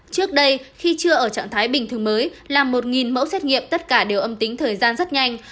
trước đây khi chưa ở trạng thái bình thường mới là một mẫu xét nghiệm tất cả đều âm tính thời gian rất nhanh